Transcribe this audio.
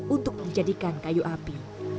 untuk dijadikan kayu api